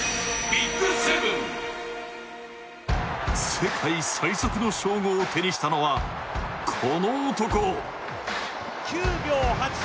世界最速の称号を手にしたのは、この男。